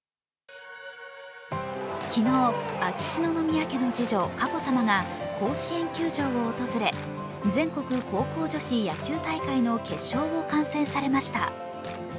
昨日、秋篠宮家の次女佳子さまが甲子園球場を訪れ全国高校女子硬式野球選手権大会の決勝を観戦されました。